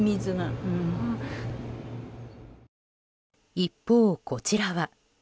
一方、こちらは。